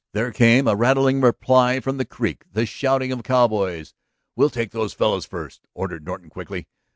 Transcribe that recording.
There came a rattling reply from the creek, the shouting of cowboys. "We'll take those fellows first," ordered Norton quickly.